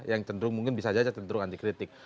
yang cenderung mungkin bisa saja cenderung anti kritik